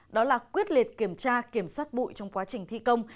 đó là quyết liệt kiểm tra kiểm soát bụi trong quá trình thi công